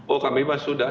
oh kami sudah